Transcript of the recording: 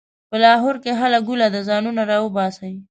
په لاهور کې هله ګوله ده؛ ځانونه راباسئ.